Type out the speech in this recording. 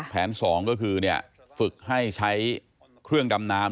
แผน๒ก็คือฝึกให้ใช้เครื่องดำน้ำ